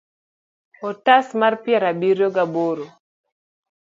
otas mar piero abiriyo ga boro